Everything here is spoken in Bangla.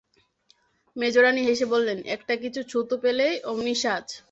মেজোরানী হেসে বললেন, একটা কিছু ছুতো পেলেই অমনি সাজ।